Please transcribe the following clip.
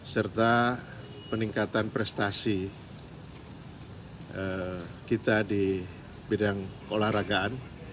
serta peningkatan prestasi kita di bidang keolahragaan